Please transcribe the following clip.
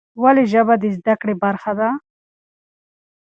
ولې ژبه د زده کړې برخه ده؟